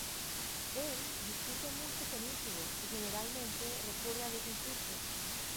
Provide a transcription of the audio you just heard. Él discute mucho con Ichigo y generalmente recurre a los insultos.